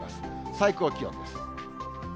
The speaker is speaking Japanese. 最高気温です。